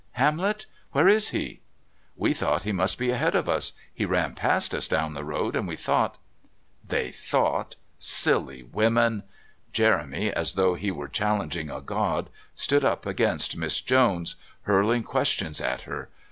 Hamlet? Where is he?" "We thought he must be ahead of us. He ran past us down the road, and we thought " They thought! Silly women! Jeremy, as though he were challenging a god, stood up against Miss Jones, hurling questions at her.